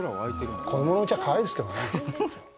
子供のうちはかわいいですけどね。